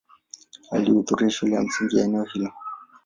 Alihudhuria shule ya msingi eneo hilo.